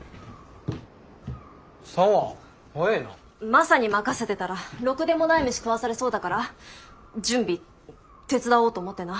マサに任せてたらろくでもない飯食わされそうだから準備手伝おうと思ってな。